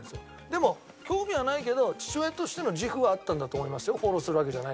でも興味はないけど父親としての自負はあったんだと思いますよフォローするわけじゃないけど。